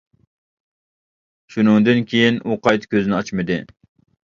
شۇنىڭدىن كېيىن ئۇ قايتا كۆزىنى ئاچمىدى.